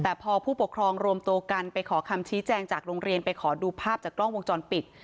แต่พอผู้ปกครองรวมตัวกันไปขอคำชี้แจงจากโรงเรียนไปขอดูภาพจากกล้องวงจรปิด